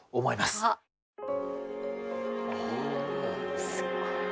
すっごい。